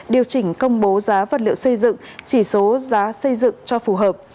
điều chỉnh công bố giá vật liệu xây dựng chỉ số giá xây dựng cho phù hợp